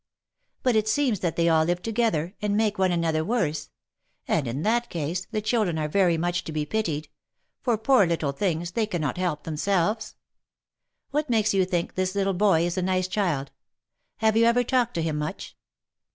" But it seems that they all live together, and make one another worse ; and, in that case, the children are very much to be pitied ; for, poor little things, they cannot help themselves. What makes you think this little boy is a nice child ? Have you ever talked to him much